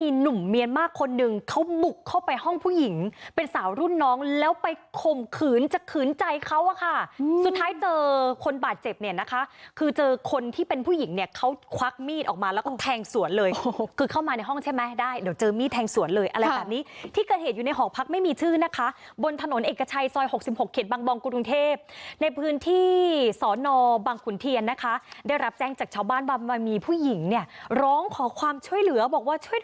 มีหนุ่มเมียมากคนหนึ่งเขาบุกเข้าไปห้องผู้หญิงเป็นสาวรุ่นน้องแล้วไปข่มขืนจะขืนใจเขาค่ะสุดท้ายเจอคนบาดเจ็บเนี่ยนะคะคือเจอคนที่เป็นผู้หญิงเนี่ยเขาควักมีดออกมาแล้วก็แทงสวนเลยคือเข้ามาในห้องใช่ไหมได้เดี๋ยวเจอมีดแทงสวนเลยอะไรตามนี้ที่เกิดเหตุอยู่ในหอพักไม่มีชื่อนะคะบนถนนเอกชัยซอยหกสิบหกเข็